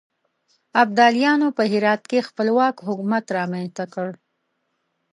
ابدالیانو په هرات کې خپلواک حکومت رامنځته کړ.